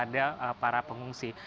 dan juga tempat penyelidikan